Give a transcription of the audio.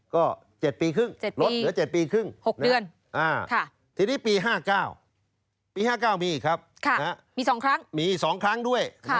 ก็๗ปีครึ่งลดเหลือ๗ปีครึ่ง๖เดือนทีนี้ปี๕๙ปี๕๙มีอีกครับมี๒ครั้งมี๒ครั้งด้วย